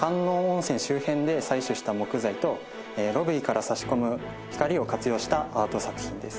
観音温泉周辺で採取した木材とロビーから差し込む光を活用したアート作品です。